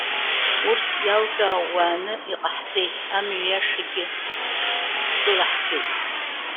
Урҭ иалкаау уааны иҟаҳҵеит, амҩа иашахьгьы икылаҳгеит.